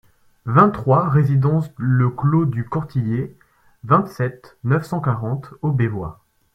vingt-trois résidence le Clos du Courtillet, vingt-sept, neuf cent quarante, Aubevoye